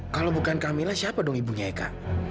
kalau bukan camillah siapa dong ibunya eka